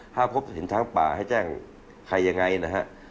ถ้าพบหินช้างป่าให้แจ้งใครยังไงนะฮะ